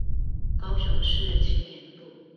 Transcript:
高雄市青年路